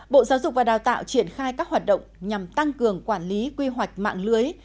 bộ giáo dục và đào tạo triển khai các hoạt động nhằm tăng cường quản lý quy hoạch mạng lưới